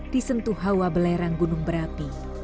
disentuh hawa belerang gunung berapi